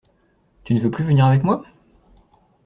Tu ne veux plus venir avec moi?